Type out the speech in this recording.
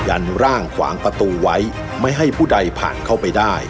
อันนี้แล้วท่านครับ